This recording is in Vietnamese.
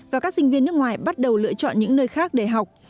và các sinh viên nước ngoài bắt đầu lựa chọn những nơi khác để học